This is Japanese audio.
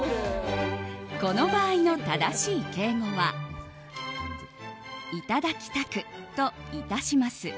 この場合の正しい敬語は「いただきたく」と「致します」